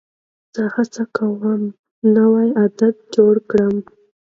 زه هڅه کوم نوی عادت جوړ کړم.